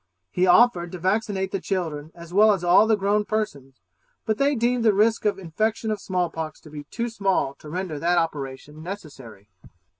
He offered to vaccinate the children as well as all the grown persons; but they deemed the risk of infection of small pox to be too small to render that operation necessary.